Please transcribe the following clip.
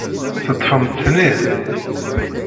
Teṭṭfemt-ten-id?